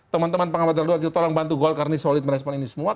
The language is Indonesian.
teman teman pengambatan luar juga tolong bantu golkar ini solid merespon ini semua